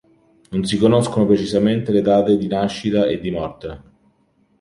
Non si conoscono precisamente le date di nascita e di morte.